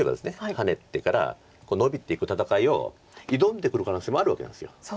ハネてからノビていく戦いを挑んでくる可能性もあるわけなんです。